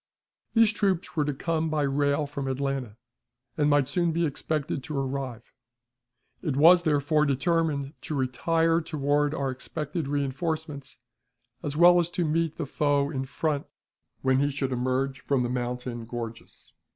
These troops were to come by rail from Atlanta, and might soon be expected to arrive. It was, therefore, determined to retire toward our expected reënforcements, as well as to meet the foe in front when he should emerge from the mountain gorges.